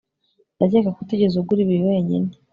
ndakeka ko utigeze ugura ibi wenyine